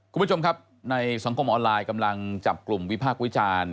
คุณผู้ชมครับในสังคมออนไลน์กำลังจับกลุ่มวิพากษ์วิจารณ์